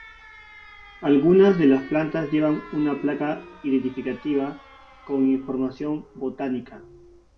Algunas de las plantas llevan una placa identificativa con información botánica.